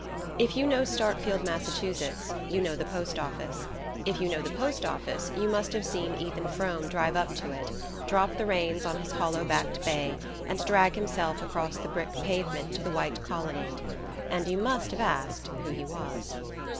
If you know Starkfield, Massachusetts, you know the post office. If you know the post office you must have seen Ethan Frome drive up to it, drop the reins on his hollow backed bay and drag himself across the brick pavement to the white colonnade; and you must have asked who he was.